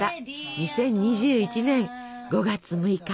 ２０２１年５月６日。